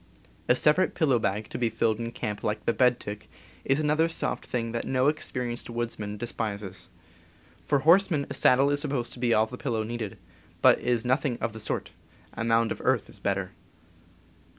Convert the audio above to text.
A separate pillow bag, to be filled in camp like the bed tick, is another soft thing that no experienced woodsman despises. For horsemen a saddle is sup posed to be all the pillow needed ; but it is nothing of the sort — a mound of earth is better.